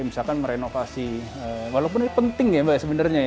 misalkan merenovasi walaupun ini penting sebenarnya